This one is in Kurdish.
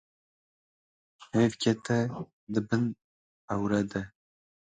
Heyv kete dibin ewre de.